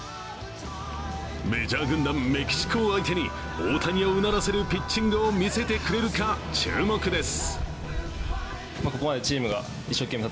メジャー軍団メキシコを相手に大谷うならせるピッチングを見せてくれるか注目です。